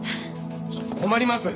困ります！